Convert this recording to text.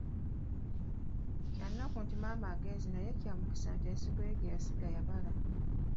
Kyannaku nti maama agenze naye kya mukisa nti ensigo gye yasiga yabala.